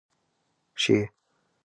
شې.